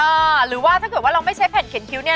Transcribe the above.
หรือว่าถ้าเกิดว่าเราไม่ใช้แผ่นเขียนคิ้วเนี่ย